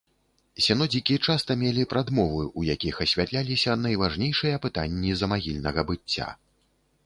Сінодзікі часта мелі прадмовы, у якіх асвятляліся найважнейшыя пытанні замагільнага быцця.